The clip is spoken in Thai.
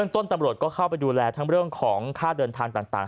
ตัวโรดเข้าไปดูแลข้าวเดินทาง